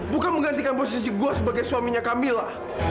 bukan menggantikan posisi gua sebagai suaminya kamila